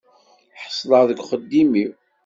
Ḥeṣleɣ deg uxeddim-iw.